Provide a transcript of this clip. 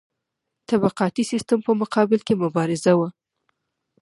طبقاتي سیستم په مقابل کې مبارزه وه.